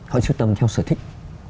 họ sưu tập theo sở thích